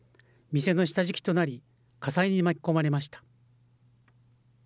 店の下敷きとなり、火災に巻き込まれました。